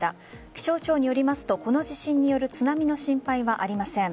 気象庁によりますとこの地震による津波の心配はありません。